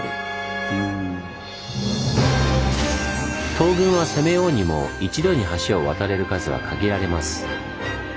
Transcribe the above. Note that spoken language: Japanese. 東軍は攻めようにも一度に橋を渡れる数は限られます。